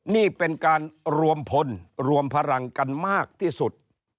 นี่เป็นการรวมพลรวมพลังกันมากที่สุด